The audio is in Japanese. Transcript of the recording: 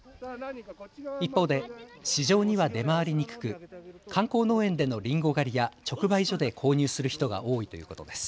一方で市場には出回りにくく観光農園でのりんご狩りや直売所で購入する人が多いということです。